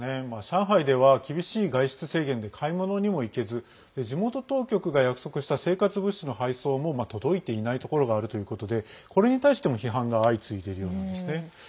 上海では厳しい外出制限で買い物にも行けず地元当局が約束した生活物資の配送も届いていないところがあるということでこれに対しても批判が相次いでいるようですね。